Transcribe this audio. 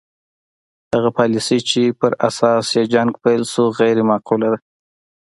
هغه پالیسي چې په اساس یې جنګ پیل شو غیر معقوله ده.